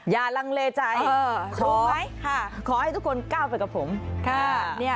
อย่าลังเลใจขอให้ทุกคนก้าวไปกับผม